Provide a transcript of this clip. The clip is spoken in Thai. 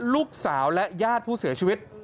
ลูกสาวและญาติผู้เสียชีวิต